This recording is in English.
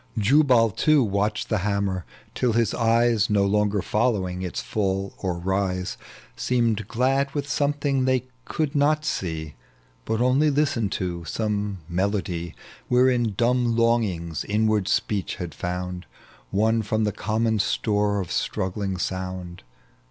Jubal, too, watched the hammer, till his eyes, No longer following its fall or rise, Seemed glad with something that they could not sei But only listened to — some melody. Wherein dumb longii^s inward speech had found, Won from the common store of struggling sound.